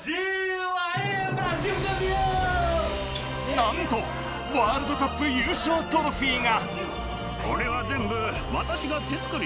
何とワールドカップ優勝トロフィーが。